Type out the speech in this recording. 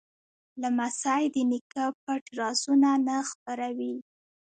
لمسی د نیکه پټ رازونه نه خپروي.